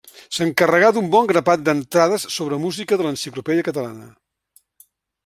S'encarregà d'un bon grapat d'entrades sobre música de l'Enciclopèdia Catalana.